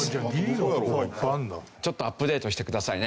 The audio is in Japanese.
ちょっとアップデートしてくださいね。